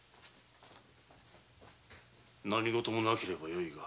何事もなければよいが。